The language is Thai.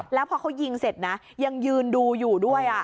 แล้วพอเขายิงเสร็จนะยังยืนดูอยู่ด้วย